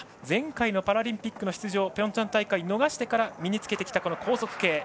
前回のパラリンピックの出場ピョンチャン大会、逃してから身に着けてきた高速系。